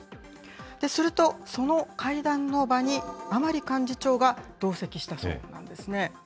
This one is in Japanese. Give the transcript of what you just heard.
すると、その会談の場に、甘利幹事長が同席したそうなんですね。